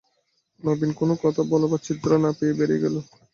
নবীন কোনো কথা বলবার ছিদ্র না পেয়ে বেরিয়ে গেল।